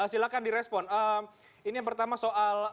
silahkan direspon ini yang pertama soal